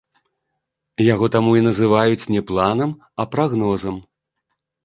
Яго таму і называюць не планам, а прагнозам.